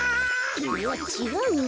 いやちがうな。